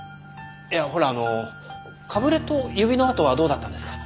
いやほらあのかぶれと指の痕はどうだったんですか？